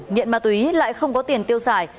nghiện ma túy lại không có tiền tiêu xài